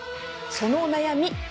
そのお悩み